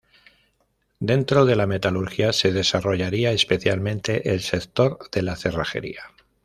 Dentro de la metalurgia se desarrollaría especialmente el sector de la cerrajería.